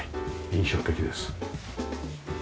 印象的です。